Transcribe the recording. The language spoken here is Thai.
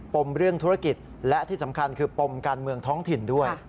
มเรื่องธุรกิจและที่สำคัญคือปมการเมืองท้องถิ่นด้วย